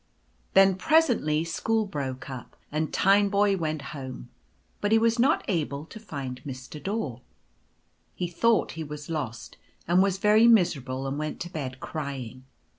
Then presently school broke up, and Tineboy went home ; but he was not able to find Mr. Daw. He thought he was lost, and was very miserable, and went to bed crying.